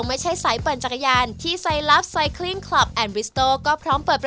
ขอบคุณมากครับพนอธ